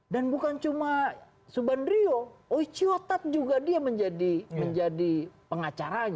dan bukan cuma subanrio oichiyo tad juga dia menjadi pengacaranya